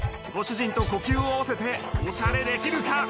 ご主人と呼吸を合わせておしゃれできるか？